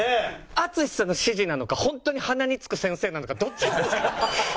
淳さんの指示なのかホントに鼻につく先生なのかどっちなんですか？